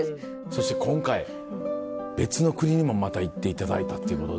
そして今回別の国にもまた行っていただいたっていうことで。